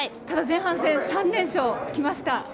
前半戦、３連勝きました。